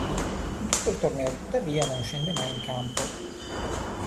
In tutto il torneo tuttavia non scende mai in campo.